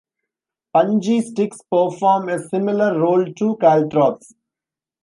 Punji sticks perform a similar role to caltrops.